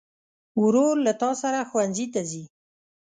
ورور له تا سره ښوونځي ته ځي.